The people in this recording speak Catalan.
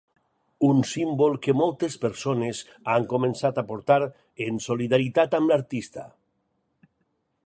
Un símbol que moltes persones han començat a portar en solidaritat amb l'artista.